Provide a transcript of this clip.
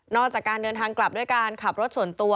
จากการเดินทางกลับด้วยการขับรถส่วนตัว